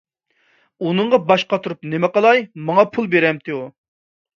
ئۇنىڭغا باش قاتۇرۇپ نېمە قىلاي، ماڭا پۇل بېرەمتى ئۇ!